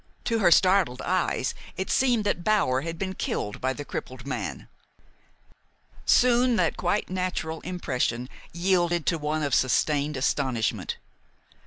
To her startled eyes it seemed that Bower had been killed by the crippled man. Soon that quite natural impression yielded to one of sustained astonishment.